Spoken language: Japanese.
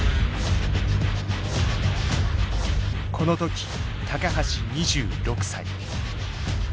この時橋２６歳。